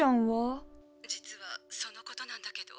☎実はそのことなんだけど。